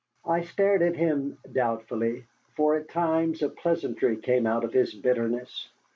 I stared at him doubtfully, for at times a pleasantry came out of his bitterness.